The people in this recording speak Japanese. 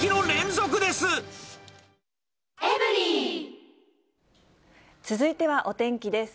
続いてはお天気です。